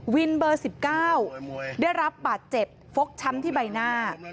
เบอร์๑๙ได้รับบาดเจ็บฟกช้ำที่ใบหน้า